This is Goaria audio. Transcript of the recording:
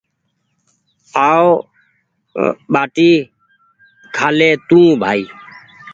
آو ٻاٽي کهالي تونٚٚ بهائي